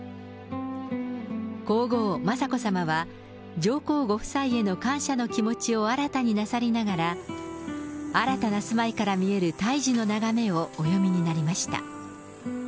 皇后雅子さまは、上皇ご夫妻への感謝の気持ちを新たになさりながら、新たな住まいから見える大樹の眺めをお詠みになりました。